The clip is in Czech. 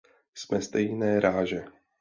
Jsme stejné ráže.